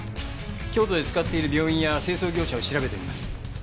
京都で使っている病院や清掃業者を調べてみます。